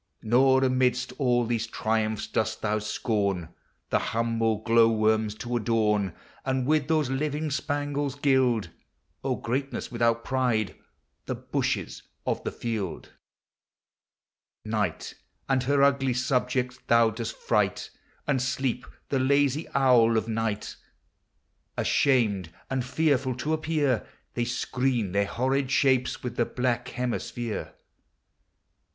Nor amidst all these triumphs dosl thou BCOni The humble glow worms to adorn. And with those living spangles gild (O greatness without pride!) the bushes of the field. Night and her ugly subjects thotl dost fright, And Sleep, the lazy owl of aighl ; 36 POEMS OF NATURE. Ashamed and fearful to appear, They screen their horrid shapes with the black hemisphere.